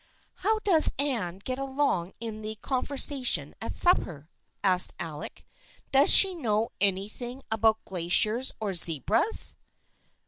" How does Anne get along in the conversation at supper ?" asked Alec. " Does she know any thing about glaciers or zebras?